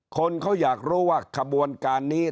คนเขาอยากรู้ว่าขบวนการนี้